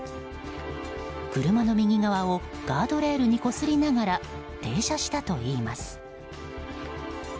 車の右側を、ガードレールにこすりながら停車したといいます。